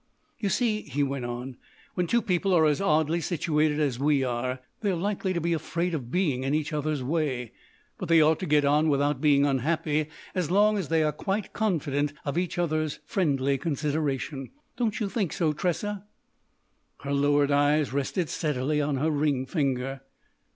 "You see," he went on, "when two people are as oddly situated as we are, they're likely to be afraid of being in each other's way. But they ought to get on without being unhappy as long as they are quite confident of each other's friendly consideration. Don't you think so, Tressa?" Her lowered eyes rested steadily on her ring finger.